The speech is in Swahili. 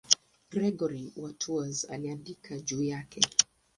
Gregori wa Tours aliandika juu yake.